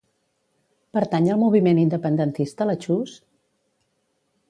Pertany al moviment independentista la Chus?